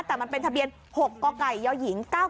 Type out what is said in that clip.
แต่มันเป็นทะเบียน๖กย๙๙๗๗